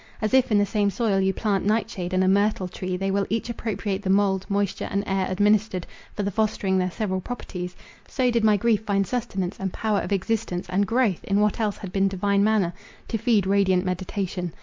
As if in the same soil you plant nightshade and a myrtle tree, they will each appropriate the mould, moisture, and air administered, for the fostering their several properties—so did my grief find sustenance, and power of existence, and growth, in what else had been divine manna, to feed radiant meditation.